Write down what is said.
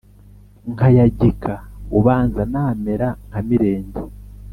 nkayagika ubanza namera nka Mirenge;